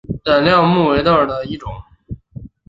染料木为豆科染料木属下的一个种。